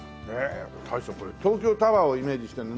大将これ東京タワーをイメージしてるの？